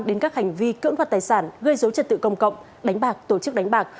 đến các hành vi cưỡng đoạt tài sản gây dối trật tự công cộng đánh bạc tổ chức đánh bạc